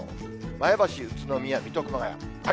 前橋、宇都宮、水戸、熊谷。